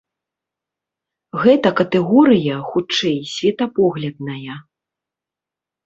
Гэта катэгорыя, хутчэй, светапоглядная.